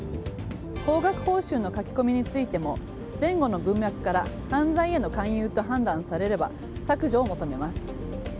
高額報酬の書き込みについても前後の文脈から犯罪への勧誘と判断されれば削除を求めます。